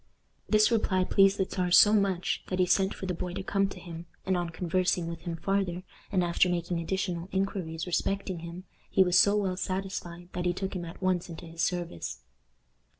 This reply pleased the Czar so much that he sent for the boy to come to him, and on conversing with him farther, and after making additional inquiries respecting him, he was so well satisfied that he took him at once into his service.